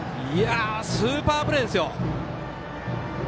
スーパープレーですよ。